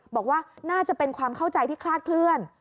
บอกว่าน่าจะเป็นความเข้าใจที่คลาดเคลื่อน